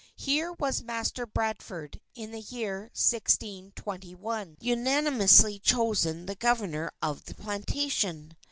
Here was Master Bradford, in the year 1621, unanimously chosen the Governor of the Plantation.